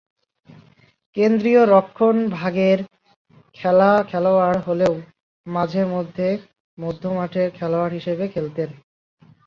কেন্দ্রীয় রক্ষণভাগের খেলোয়াড় হলেও মাঝে-মধ্যে মধ্যমাঠের খেলোয়াড় হিসেবে খেলতেন।